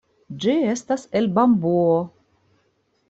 Ĝi estas el bambuo.